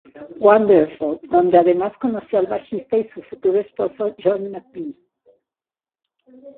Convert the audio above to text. Wonderful", donde además conoció al bajista y su futuro esposo John McVie.